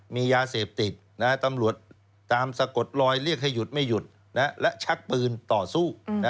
มียาเสพติดตำรวจตามสะกดลอยเรียกให้หยุดไม่หยุดและชักปืนต่อสู้